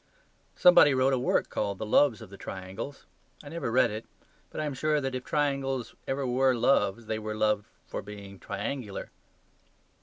Somebody wrote a work called "The Loves of the Triangles"; I never read it, but I am sure that if triangles ever were loved, they were loved for being triangular.